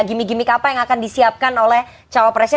gimmick gimmick apa yang akan disiapkan oleh cawapresnya